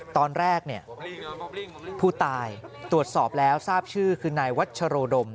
ตอนแรกเนี่ยผู้ตายตรวจสอบแล้วทราบชื่อคือนายวัชโรดม